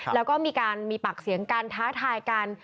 แล้วก็มีการมีปากเสียงกันท้าทายกัน